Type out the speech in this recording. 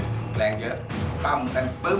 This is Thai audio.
อันดับสุดท้ายแก่มือ